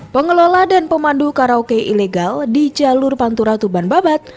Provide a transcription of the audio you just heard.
pengelola dan pemandu karaoke ilegal di jalur pantura tuban babat